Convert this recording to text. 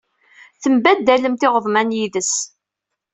Tembaddalemt iɣeḍmen yid-s.